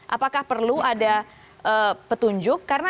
apakah perlu ada petunjuk